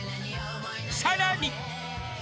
［さらに］